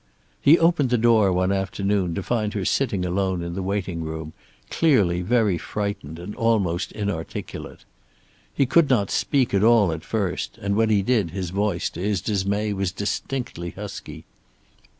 He opened the door one afternoon to find her sitting alone in the waiting room, clearly very frightened and almost inarticulate. He could not speak at all at first, and when he did his voice, to his dismay, was distinctly husky.